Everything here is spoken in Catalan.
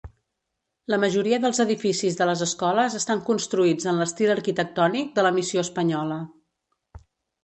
La majoria dels edificis de les escoles estan construïts en l'estil arquitectònic de la missió espanyola.